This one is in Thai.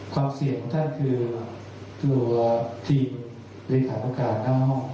ความเสี่ยงของท่านคือตัวทีมบริษัทประการหน้าห้อง